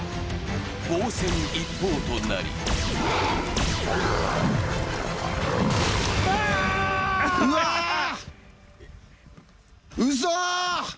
防戦一方となりうそー！